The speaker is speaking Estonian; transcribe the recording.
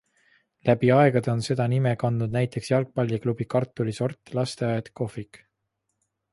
Läbi aegade on seda nime kandnud näiteks jalgpalliklubi, kartulisort, lasteaed, kohvik...